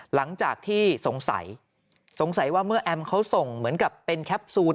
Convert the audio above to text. หลังจากที่สงสัยสงสัยว่าเมื่อแอมเขาส่งเหมือนกับเป็นแคปซูล